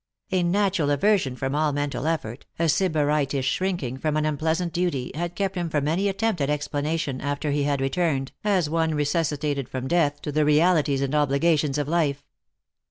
A natural aversion from all mental effort, a sybaritish shrinking from an unpleasant duty, had kept him from any attempt at explanation, after he had returned, as one resusci tated from death, to the realities and obligations of life.